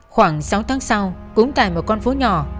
khoảng sáu tháng sau cũng tại một con phố nhỏ